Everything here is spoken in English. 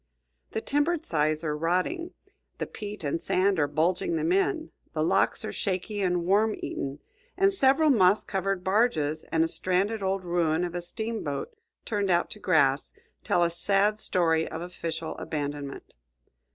The timbered sides are rotting, the peat and sand are bulging them in, the locks are shaky and worm eaten, and several moss covered barges and a stranded old ruin of a steamboat turned out to grass tell a sad story of official abandonment.